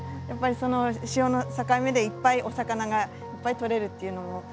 やっぱりその潮の境目でいっぱいお魚がいっぱい取れるっていうのも。